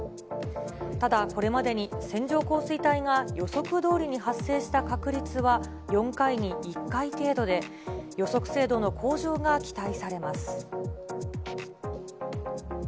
ただこれまでに、線状降水帯が予測どおりに発生した確率は４回に１回程度で、予測精度の向上が期待されます。